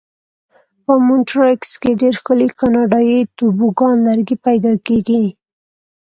په مونټریکس کې ډېر ښکلي کاناډایي توبوګان لرګي پیدا کېږي.